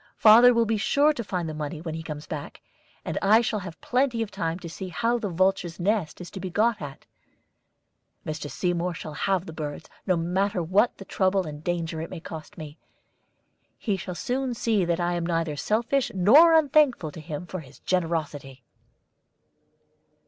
"Father will be sure to find the money when he comes back, and I shall have plenty of time to see how the vulture's nest is to be got at. Mr. Seymour shall have the birds, no matter what trouble and danger it may cost me. He shall soon see that I am neither selfish nor unthankful to him for his generosity."